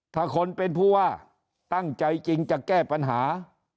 ถ้าคนเป็นผู้ว่าตั้งใจจริงจะแก้ปัญหา